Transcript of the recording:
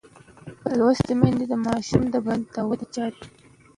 لوستې میندې د ماشوم د بدن د وده څاري.